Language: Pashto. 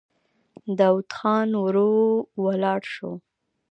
داوود خان ورو ولاړ شو.